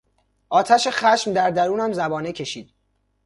آتش خشم در درونم زبانه کشید.